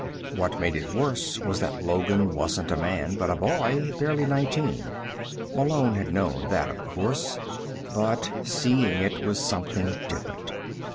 What made it worse was that Logan wasn't a man, but a boy, barely nineteen. Malone had known that, of course but seeing it was something different.